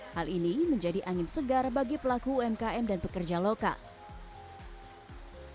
hal ini menjadi angin segar bagi pelaku umkm dan pekerja lokal